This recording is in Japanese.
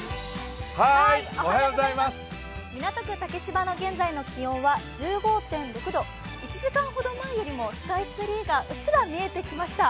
港区竹芝の現在の気温は１５．６度、１時間ほど前よりもスカイツリーがうっすら見えてきました。